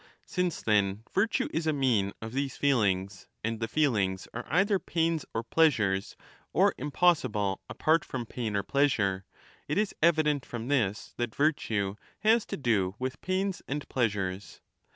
Since, then, virtue is a mean of these feelings, and the feelings are either pains or pleasures or impossible apart 35 from pain or pleasure, it is evident from this that virtue has to do with pains and pleasures.